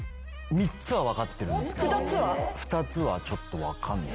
３つは分かってるんですけど２つはちょっと分かんない。